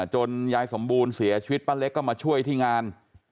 ยายสมบูรณ์เสียชีวิตป้าเล็กก็มาช่วยที่งาน